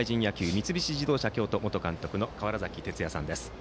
三菱自動車京都元監督の川原崎哲也さんです。